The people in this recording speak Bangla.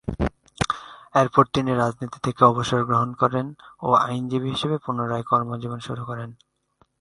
এরপর তিনি রাজনীতি থেকে অবসর গ্রহণ করেন ও আইনজীবী হিসেবে পুনরায় কর্মজীবন শুরু করেন।